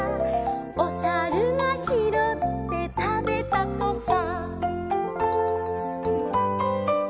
「おさるがひろってたべたとさ」